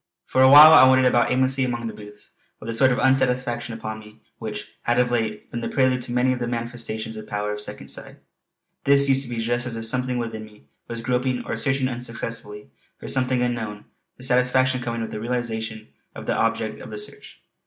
For awhile I wandered about aimlessly amongst the booths, with that sort of unsatisfaction upon me which had of late been the prelude to many of the manifestations of the power of Second Sight. This used to be just as if something within me was groping or searching unsuccessfully for something unknown, the satisfaction coming with the realization of the objective of the search.